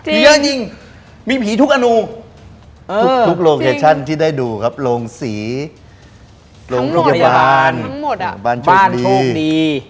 โอ้โหมีผีทุกอนุทุกโลเกชชั่นที่ได้ดูครับโรงสีโรงโยบาลบ้านโชคดี